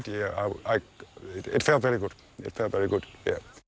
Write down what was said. ฉันรู้สึกยังไง